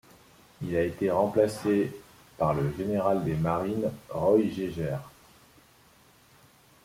Il a été remplacé par le général des Marines Roy Geiger.